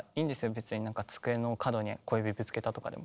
別になんか机の角に小指ぶつけたとかでも。